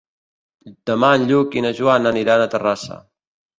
Demà en Lluc i na Joana aniran a Terrassa.